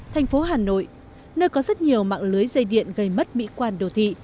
thành phố hà nội nơi có rất nhiều mạng lưới dây điện gây mất mỹ quan đồ thị